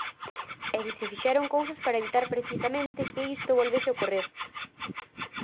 E si se fixeron cousas para evitar precisamente que isto volvese ocorrer.